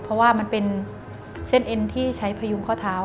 เพราะว่ามันเป็นเส้นเอ็นที่ใช้พยุงข้อเท้า